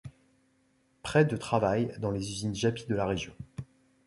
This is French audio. Près de travaillent dans les usines Japy de la région.